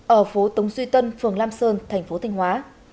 ở phố tống suy tân phường lam sơn tp thanh hóa